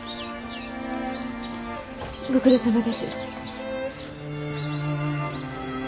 ご苦労さまです。